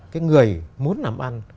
cái người muốn nắm ăn